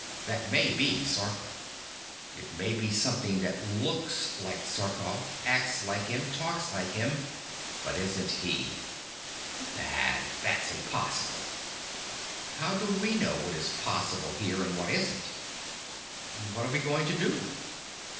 That may be Sarkoff. It may be something that looks like Sarkoff, acts like him, talks like him but isn't he!" "That that's impossible." "How do we know what is possible here and what isn't?" "What are we going to do?"